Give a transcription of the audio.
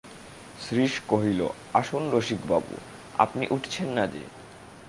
শ্রীশ কহিল, আসুন রসিকবাবু, আপনি উঠছেন না যে।